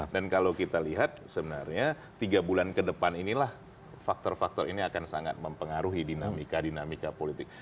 dan kalau kita lihat sebenarnya tiga bulan ke depan inilah faktor faktor ini akan sangat mempengaruhi dinamika dinamika politik